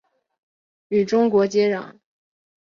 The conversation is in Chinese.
与中国接壤。